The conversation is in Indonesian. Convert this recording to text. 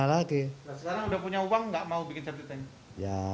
nah sekarang udah punya uang nggak mau bikin kartu tank